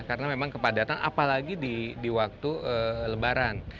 karena memang kepadatan apalagi di waktu lebaran